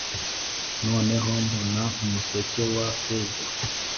noneho mbona umuseke wa feza,